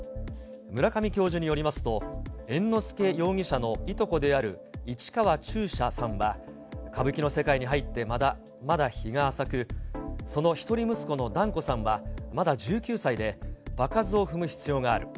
村上教授によりますと、猿之助容疑者のいとこである市川中車さんは、歌舞伎の世界に入ってまだ日が浅く、その一人息子の團子さんはまだ１９歳で、場数を踏む必要がある。